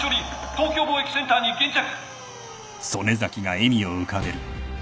東京貿易センターに現着。